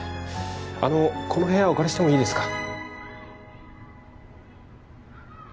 あのこの部屋お借りしてもいいですか？